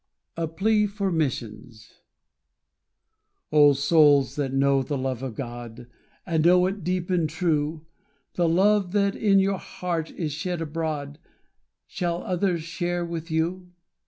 A Plea for Missions O, SOULS that know the love of God, And know it deep and true, The love that in your heart is shed abroad Shall others share with you?